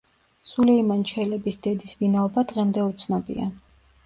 სულეიმან ჩელების დედის ვინაობა დღემდე უცნობია.